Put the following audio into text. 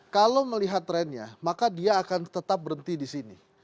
kalau melihat trennya maka dia akan tetap berhenti di sini